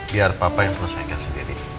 biar papa yang selesaikan sendiri